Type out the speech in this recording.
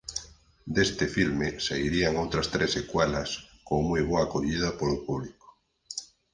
Deste filme sairían outras tres secuelas con moi boa acollida polo público.